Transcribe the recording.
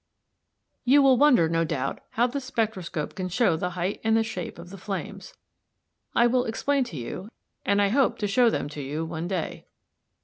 You will wonder no doubt how the spectroscope can show the height and the shape of the flames. I will explain to you, and I hope to show them you one day.